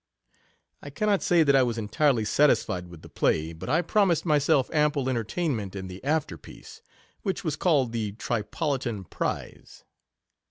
I cannot say that I was entirely satisfied with the play, but I promised myself ample entertainment in the after piece, which was called the Tri politan Prize.